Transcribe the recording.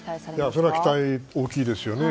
それは期待は大きいですよね。